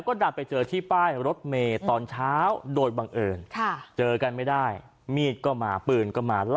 ครับต่อไปที่ศรีสเกษกันหน่อยครับนายกอศออกมา